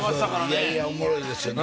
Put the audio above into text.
いやいやおもろいですよね